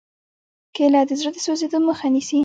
کېله د زړه د سوځېدو مخه نیسي.